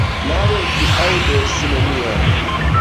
Male, vi aŭdos nenion.